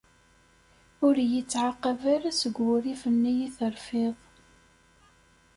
Ur iyi-ttɛaqab ara seg wurrif-nni i terfiḍ.